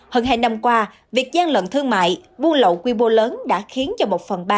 hơn hai năm qua việc gian lận thương mại buôn lậu quy mô lớn đã khiến cho một phần ba